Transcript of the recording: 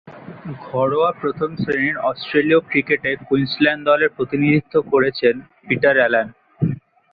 ঘরোয়া প্রথম-শ্রেণীর অস্ট্রেলীয় ক্রিকেটে কুইন্সল্যান্ড দলের প্রতিনিধিত্ব করেছেন পিটার অ্যালান।